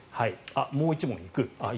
もう１問行く。